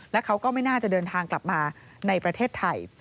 และเขาก็ไม่น่าจะเดินทางกลับมาในประเทศไทย